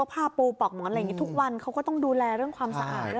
ผ้าปูปลอกหมอนทุกวันเขาก็ต้องดูแลเรื่องความสะอาด